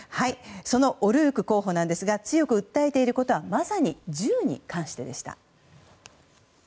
そのオルーク候補なんですが強く訴えていることはまさに銃に関してでした。